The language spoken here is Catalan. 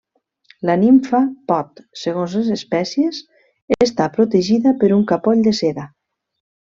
La nimfa pot, segons les espècies, estar protegida per un capoll de seda.